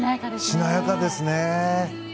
しなやかですね。